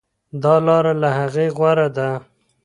دا لاره له هغې غوره ده.